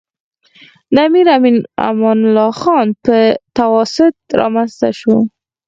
د امیر امان الله خان په تواسط رامنځته شو.